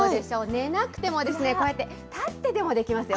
寝なくても、こうやって、立ってでもできますよ。